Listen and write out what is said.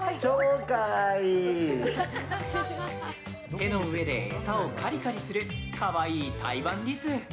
手の上で餌をカリカリする可愛いタイワンリス。